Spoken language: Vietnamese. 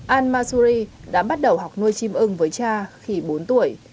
al masuri đã bắt đầu học nuôi chim ưng với cha khi bốn tuổi